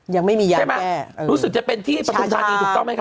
ยังไม่มียาแก้ชาชารู้สึกจะเป็นที่ประธุมฐานีถูกต้องไหมคะ